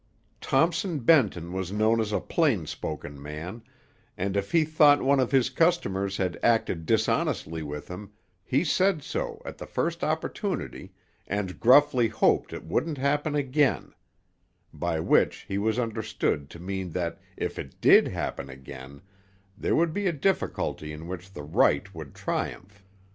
Thompson Benton was known as a plain spoken man, and if he thought one of his customers had acted dishonestly with him, he said so at the first opportunity, and gruffly hoped it wouldn't happen again; by which he was understood to mean that if it did happen again, there would be a difficulty in which the right would triumph.